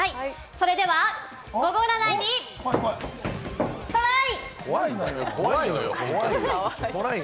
それではゴゴ占いに、トライ！